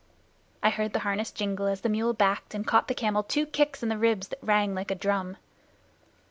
I heard the harness jingle as the mule backed and caught the camel two kicks in the ribs that rang like a drum.